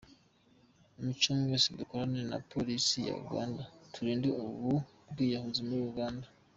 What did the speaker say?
Mucyo mwese dukorane na Polisi ya Uganda turinde ubu bwiyahuzi muri uganda”.